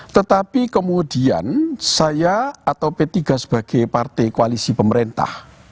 tetapi kemudian saya atau p tiga sebagai partai koalisi pemerintah